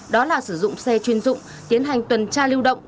đó là sử dụng xe chuyên dụng tiến hành tuần tra lưu động